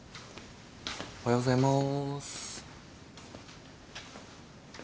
おはようございます。